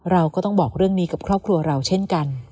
เราก็ต้องบอกเรื่องนี้กับครอบครัวเราเช่นกัน